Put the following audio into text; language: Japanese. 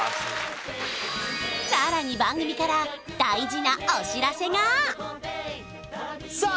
さらに番組から大事なお知らせがさあ